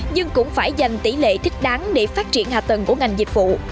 nhưng cũng phải dành tỷ lệ thích đáng để phát triển hạ tầng của ngành dịch vụ